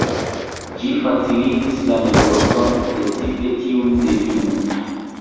Ĝi faciligis la negocon, precipe tiun de vino.